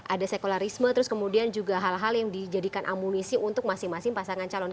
ada sekularisme terus kemudian juga hal hal yang dijadikan amunisi untuk masing masing pasangan calon